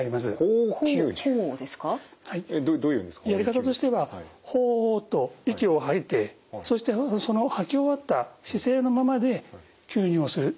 やり方としては「ホー」と息を吐いてそしてその吐き終わった姿勢のままで吸入をする。